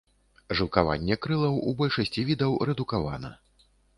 Жылкаванне крылаў у большасці відаў рэдукавана.